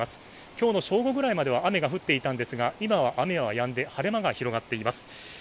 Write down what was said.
今日の正午ぐらいまでは雨が降っていたんですが、今は雨はやんで晴れ間が広がっています。